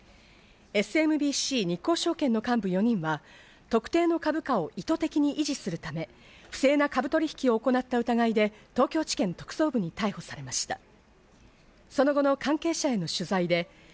ＳＭＢＣ日興証券の幹部４人は特定の株価を意図的に維持するため、不正な株取引を行った疑いで東京地検特捜部に逮捕されました。